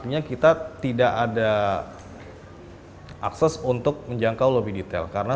pihak e commerce sudah membantu melindungi data pribadi konsumen